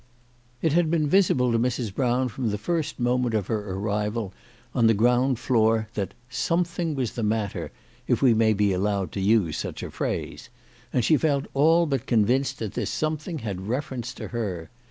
IT had been visible to Mrs. Brown from the first moment 'of her arrival on the ground floor that " some thing was the matter/' if we may be allowed to use such a phrase ; and she felt all but convinced that this something had reference to her.